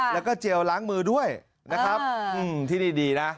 แล้วก็เจลล้างมือด้วยนะครับที่นี่ดีนะ